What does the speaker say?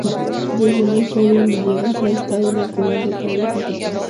Desde muy joven Villegas ha estado vinculado a cargos de importancia.